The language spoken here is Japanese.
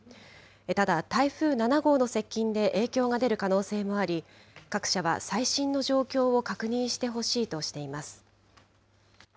ただ、台風７号の接近で影響が出る可能性もあり、各社は最新の状況を確認してほしいとしています。